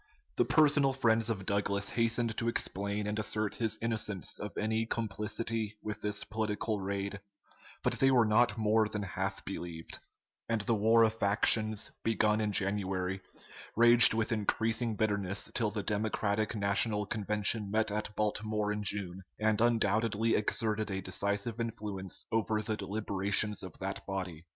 The personal friends of Douglas hastened to explain and assert his innocence of any complicity with this political raid, but they were not more than half believed; and the war of factions, begun in January, raged with increasing bitterness till the Democratic National Convention met at Baltimore in June, and undoubtedly exerted a decisive influence over the deliberations of that body.